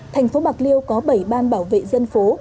thành phố bạc liêu có bảy ban bảo vệ dân phố